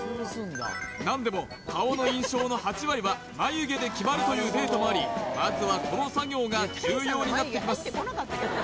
何でも顔の印象の８割は眉毛で決まるというデータもありまずはこの作業が重要になってきます